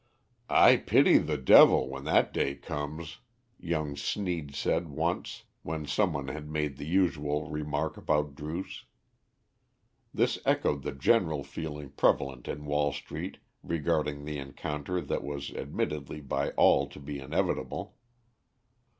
"I pity the devil when that day comes," young Sneed said once when some one had made the usual remark about Druce. This echoed the general feeling prevalent in Wall Street regarding the encounter that was admitted by all to be inevitable.